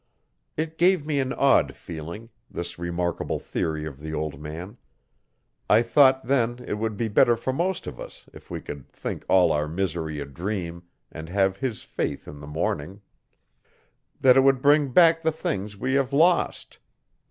It gave me an odd feeling this remarkable theory of the old man. I thought then it would be better for most of us if we could think all our misery a dream and have his faith in the morning that it would bring back the things we have lost.